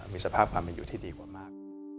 มีสภาพความเป็นอยู่ที่ดีกว่ามาก